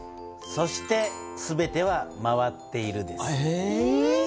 「そしてすべては回っている」です。